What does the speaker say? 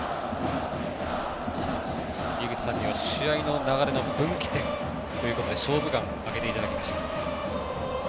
井口さんには試合の流れの分岐点ということで「勝負眼」を挙げていただきました。